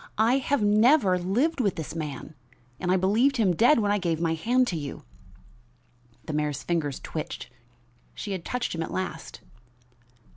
I have never lived with this man, and I believed him dead when I gave my hand to you." The mayor's fingers twitched. She had touched him at last.